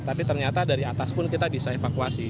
tapi ternyata dari atas pun kita bisa evakuasi